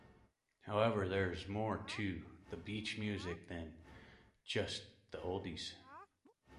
However, there is more to beach music than just the oldies.